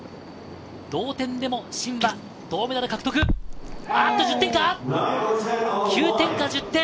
同点でもシンは銅メダル獲得、９点か１０点。